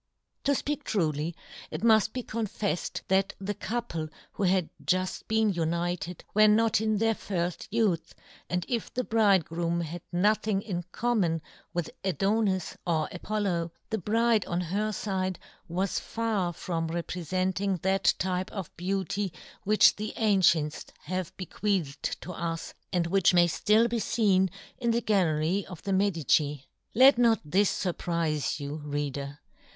" To fpeak truly, it muft be con feffed that the couple who had juft been united were not in their firft youth, and if the bridegroom had nothing in common with Adonis or Apollo, the bride on her fide was far from reprefenting that type of beauty which the ancients have be queathed to us, and which may ftill be feen in the gallery of the Medici. Let not this furprife you, reader